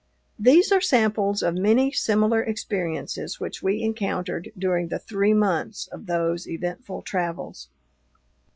These are samples of many similar experiences which we encountered during the three months of those eventful travels.